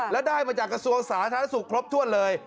แล้วได้มาจากกระทรวงสาธารณสุขครบถ้วนเลย